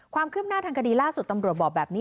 ความคืบหน้าทางคดีล่าสุดตำรวจบอกแบบนี้